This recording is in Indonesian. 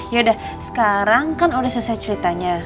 yaudah sekarang kan udah selesai ceritanya